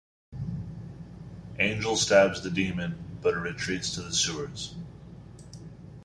Angel stabs the demon, but it retreats to the sewers.